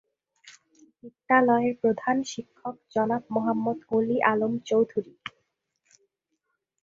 বিদ্যালয়ের প্রধান শিক্ষক জনাব মোহাম্মদ অলি আলম চৌধুরী।